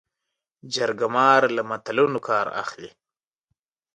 جرګه مار له متلونو کار اخلي